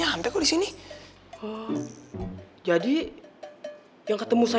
tadi tadi saya ketemu